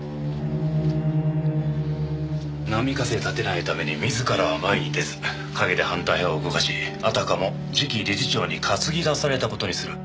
波風立てないために自らは前に出ず陰で反対派を動かしあたかも次期理事長に担ぎ出された事にする。